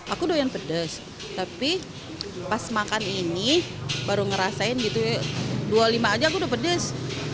aku doyan pedas tapi pas makan ini baru ngerasain gitu ya dua puluh lima aja aku udah pedes